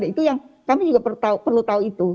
itu yang kami juga perlu tahu itu